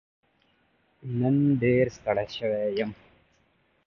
نن ډېر ستړی شوم